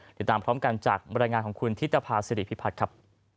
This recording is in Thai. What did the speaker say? ติดตามพร้อมกันจากบรรยายงานของคุณธิตภาษิริพิพัฒน์ครับ